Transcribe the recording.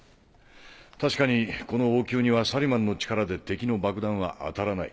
確かにこの王宮にはサリマンの力で敵の爆弾は当たらない。